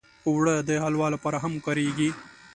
اوړه د حلوا لپاره هم کارېږي